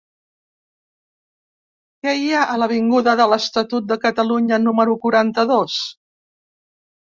Què hi ha a l'avinguda de l'Estatut de Catalunya número quaranta-dos?